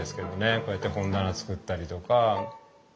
こうやって本棚作ったりとか。